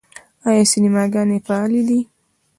آیا سینماګانې فعالې دي؟